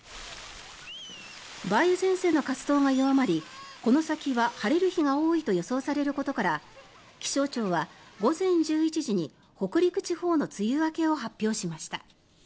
梅雨前線の活動が弱まりこの先は晴れる日が多いと予想されることから気象庁は午前１１時に北陸地方の梅雨明けを発表しました。